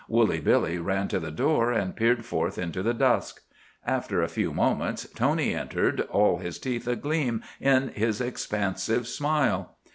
Woolly Billy ran to the door and peered forth into the dusk. After a few moments Tony entered, all his teeth agleam in his expansive smile.